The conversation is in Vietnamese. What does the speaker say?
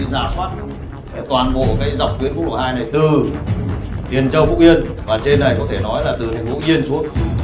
nó như giả soát toàn bộ cái dọc tuyến quốc độ hai này từ tiền châu phúc yên và trên này có thể nói là từ thành phố yên xuống